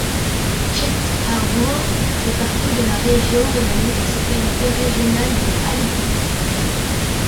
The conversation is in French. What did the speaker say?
Sheet Harbour fait partie de la région d' de la municipalité régionale de Halifax.